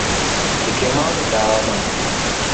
Kik imadh ndawa mang'eny.